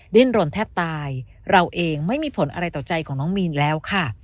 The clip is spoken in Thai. ดิ้นรนแทบตายเราเองไม่มีผลอะไรต่อใจของน้องมีนแล้วค่ะ